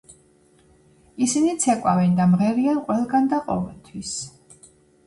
ისინი ცეკვავენ და მღერიან ყველგან და ყოველთვის.